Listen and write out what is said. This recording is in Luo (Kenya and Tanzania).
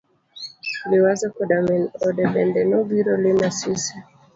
Liwazo koda min ode bende nobiro limo Asisi.